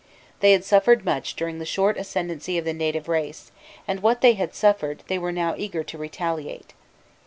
They had suffered much during the short ascendency of the native race; and what they had suffered they were now eager to retaliate.